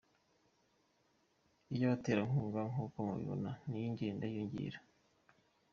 Iy’abaterankunga nk’uko mubibona niyo igenda yiyongera .